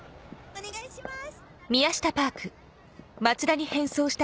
お願いします